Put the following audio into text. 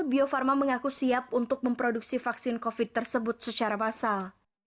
bio farma mengaku siap untuk memproduksi vaksin covid sembilan belas tersebut secara basal